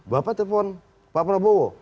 bapak telpon pak prabowo